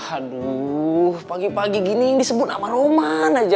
aduh pagi pagi gini disebut sama roman aja